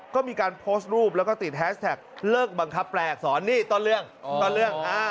ก็มีการโพสต์รูปและติดแฮชแท็กเลิกบังคับแปลอักษรนี่ตอนเรื่อง